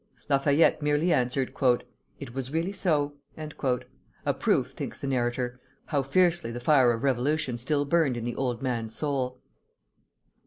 Lafayette merely answered, "It was really so," a proof, thinks the narrator, how fiercely the fire of revolution still burned in the old man's soul.